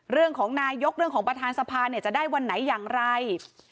เรื่องของนายกเรื่องของประธานสภาเนี่ยจะได้วันไหนอย่างไร